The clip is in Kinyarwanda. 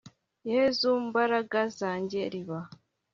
yezu mbaraga zanjye riba